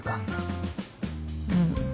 うん。